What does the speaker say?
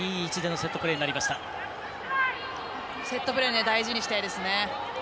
セットプレー大事にしたいですね。